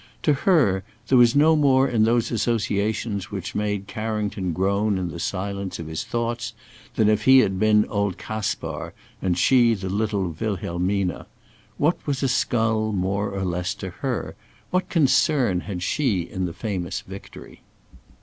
To her, there was no more in those associations which made Carrington groan in the silence of his thoughts, than if he had been old Kaspar, and she the little Wilhelmine. What was a skull more or less to her? What concern had she in the famous victory?